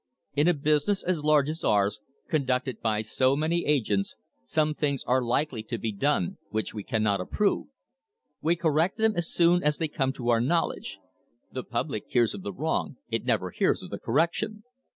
In a business as large as ours, conducted by so many agents, some THE HISTORY OF THE STANDARD OIL COMPANY things are likely to be done which we cannot approve. We correct them as soon as they come to our knowledge. The public hears of the wrong it never hears of the correction."